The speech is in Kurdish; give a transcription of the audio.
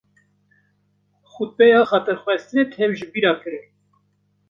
Xutbeya Xatirxwestinê tev ji bîra kirin.